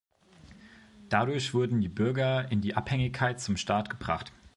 Dadurch wurden die Bürger in Abhängigkeit zum Staat gebracht.